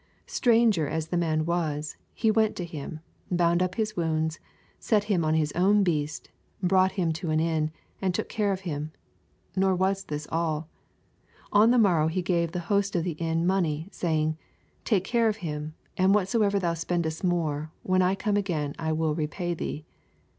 Stranger as the man was, he went to him, bound up his wounds, set him on his own beast, brought him to an inn, and took care of him. Nor was this all. On the morrow he gave the host of the inn money, saying, " Take care of him, and whatsoever thou spendest more, when I come again I will repay thee."